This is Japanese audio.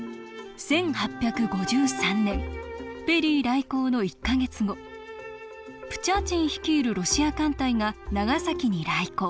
１８５３年ペリー来航の１か月後プチャーチン率いるロシア艦隊が長崎に来航。